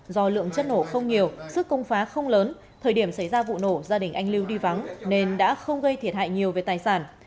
do lượng chất nổ không nhiều sức công phá không lớn thời điểm xảy ra vụ nổ gia đình anh lưu đi vắng nên đã không gây thiệt hại nhiều về tài sản